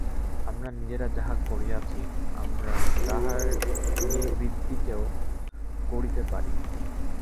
আমরা নিজেরা যাহা করিয়াছি, আমরা তাহার নিবৃত্তিও করিতে পারি।